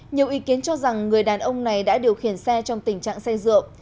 nhiều ý kiến cho rằng người đàn ông này đã điều khiển xe trong tình trạng xe rượu